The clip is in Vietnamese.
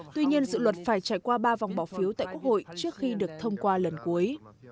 tuy nhiên dự luật phải trải qua ba vòng bỏ phiếu tại quốc hội trước khi được thông qua lần cuối